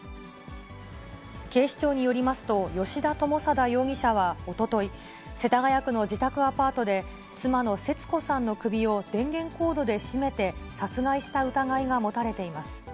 警視庁によりますと、吉田友貞容疑者はおととい、世田谷区の自宅アパートで、妻の節子さんの首を電源コードで絞めて殺害した疑いが持たれています。